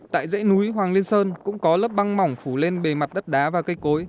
tại dãy núi hoàng liên sơn cũng có lớp băng mỏng phủ lên bề mặt đất đá và cây cối